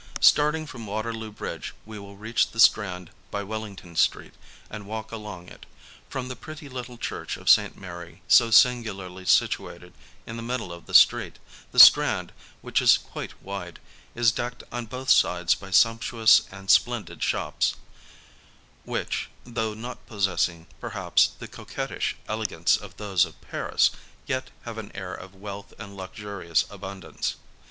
Starting from Waterloo Bridge we will reach the Strand by Wellington Street and walk along it. From the pretty little church of St. Mary, so singularly situated in the middle of the street, the Strand, which is quite wide, is n ^.>' I '41 .'. r A DAY IN LONDON 51 decked on both sides by sumptuous and splendid shops, which, though not possessing, perhaps, the coquettish ele gance of those of Paris, yet have an air of wealth and lux urious abundance.